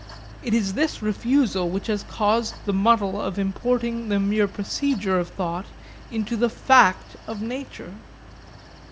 It is this refusal which has caused the muddle of importing the mere procedure of thought into the fact of nature.